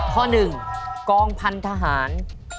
ข้อหนึ่งกองพันธหาร